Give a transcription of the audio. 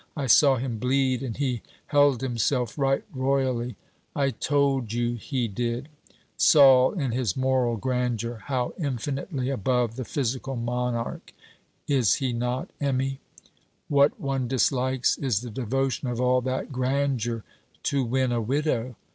I saw him bleed, and he held himself right royally. I told you he did; Sol in his moral grandeur! How infinitely above the physical monarch is he not, Emmy? What one dislikes, is the devotion of all that grandeur to win a widow.